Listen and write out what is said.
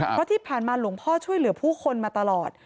เพราะที่ผ่านมาหลวงพ่อช่วยเหลือผู้คนมาตลอด